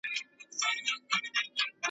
بیرته سم پر لار روان سو ګړندی سو .